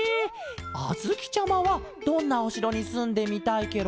あづきちゃまはどんなおしろにすんでみたいケロ？